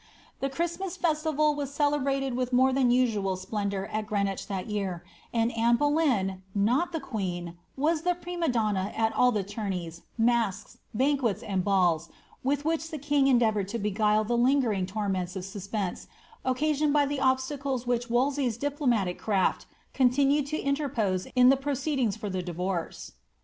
The Christmas festival was celebrated with more than usual splendour at Greenwich that year, and Anne Bo leyn, not the queen, was the prima donna at all the toumays, masks, banquets, and balls, with which the king endeavoured to beguile the lingering torments of suspense occasioned by the obstacles which Wol sey^s diplomatic crafl continued to interpose in the proceedings for the divorce.